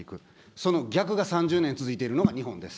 その逆が３０年続いているのが日本です。